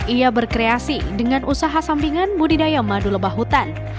ia berkreasi dengan usaha sampingan budidaya madu lebah hutan